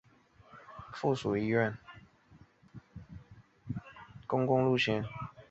密支那往雷多路段则又复归与旧中印公路共线。